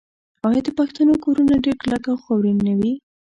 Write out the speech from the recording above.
آیا د پښتنو کورونه ډیر کلک او خاورین نه وي؟